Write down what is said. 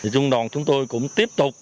trung đoàn chúng tôi cũng tiếp tục